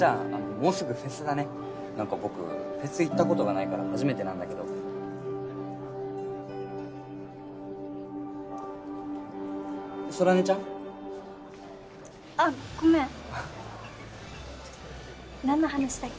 もうすぐフェスだねなんか僕フェス行ったことがないから初めてなんだけど空音ちゃん？あっごめん何の話だっけ？